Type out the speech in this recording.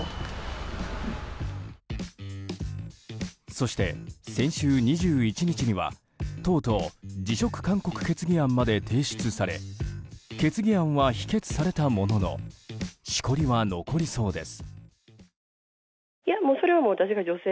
そして、先週２１日にはとうとう辞職勧告決議案まで提出され決議案は否決されたもののしこりは残りそうです。